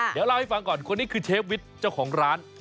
เดี๋ยวเล่าให้ฟังก่อนคนนี้คือเชฟวิทย์เจ้าของร้าน